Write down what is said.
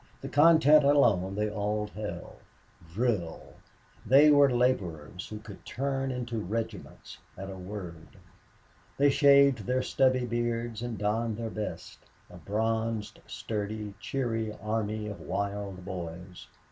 The content alone they all held. Drill! They were laborers who could turn into regiments at a word. They shaved their stubby beards and donned their best a bronzed, sturdy, cheery army of wild boys.